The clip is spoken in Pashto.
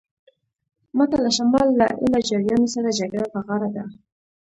ماته له شمال له ایله جاریانو سره جګړه په غاړه ده.